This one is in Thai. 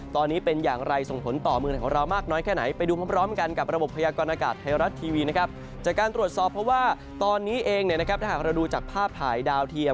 ตอนนี้เองนะครับถ้าหากเราดูจากภาพถ่ายดาวเทียม